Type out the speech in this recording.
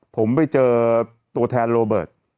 ผมไปเจอตัวแทนโรเบิร์ต